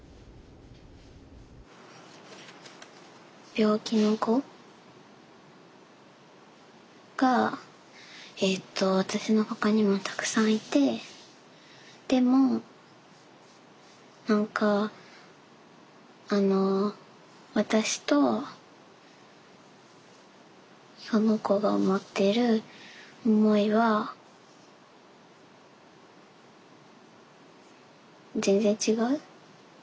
病気の子が私のほかにもたくさんいてでも何かあの私とその子が思っている思いは全然違う。